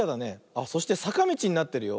あっそしてさかみちになってるよ。